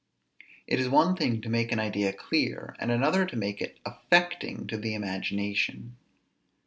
It is one thing to make an idea clear, and another to make it affecting to the imagination.